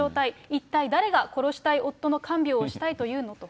一体誰が殺したい夫の看病をしたいというのと。